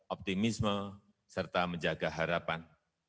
optimisme serta menjaga harapan